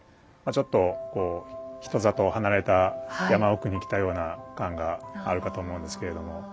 ちょっとこう人里離れた山奥に来たような感があるかと思うんですけれども。